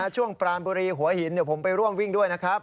ช่วงปรานบุรีหัวหินเดี๋ยวผมไปร่วมวิ่งด้วยนะครับ